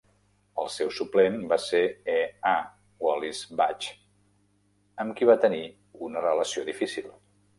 El seu suplent va ser E. A. Wallis Budge, amb qui va tenir una relació difícil.